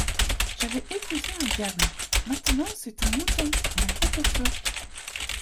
J’avais épousé un diable,… maintenant c’est un mouton, un pot-au-feu !…